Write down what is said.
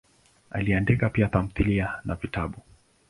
Aliandika pia tamthilia na vitabu.